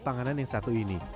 panganan yang satu ini